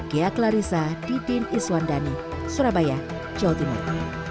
gia clarissa di din iswandani surabaya jawa timur